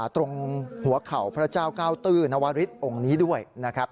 ตรงหัวเข่าพระเจ้าเก้าตื้อนวริสองค์นี้ด้วยนะครับ